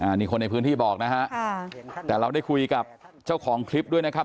อันนี้คนในพื้นที่บอกนะฮะแต่เราได้คุยกับเจ้าของคลิปด้วยนะครับ